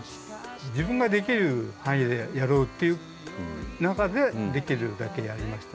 自分ができる範囲でやろうっていう中でできるだけやりました。